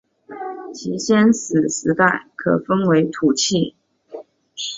其先史时代可分为土器出现以前的后期旧石器时代和土器出现之后的贝冢时代。